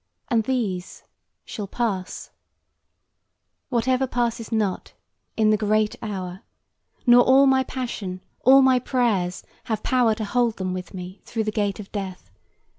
And these shall pass, Whatever passes not, in the great hour, Nor all my passion, all my prayers, have power To hold them with me through the gate of Death.